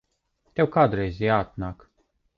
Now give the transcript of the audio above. Tev kādreiz jāatnāk.